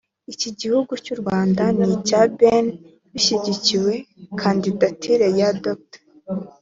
Igihugu cy’u Rwanda n’icya Benin bishyigikiye kandidatire ya Dr